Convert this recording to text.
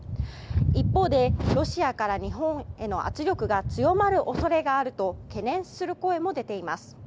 一方でロシアから日本への圧力が強まる恐れがあると懸念する声も出ています。